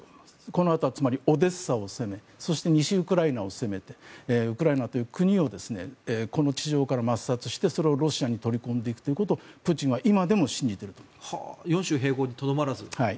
このあとは、つまりオデーサを攻めそして西ウクライナを攻めてウクライナという国をこの地上から抹殺してそれをロシアに取り込んでいくということを４州併合にとどまらず。